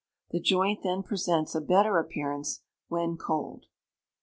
The joint then presents a better appearance when cold.